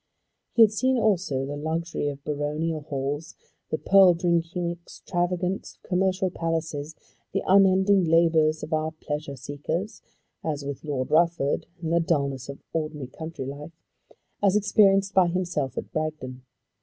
He had seen also the luxury of baronial halls, the pearl drinking extravagances of commercial palaces, the unending labours of our pleasure seekers as with Lord Rufford, and the dullness of ordinary country life as experienced by himself at Bragton.